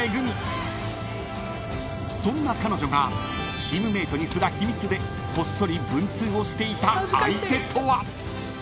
［そんな彼女がチームメートにすら秘密でこっそり文通をしていた相手とは？］